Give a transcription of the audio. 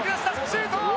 シュート！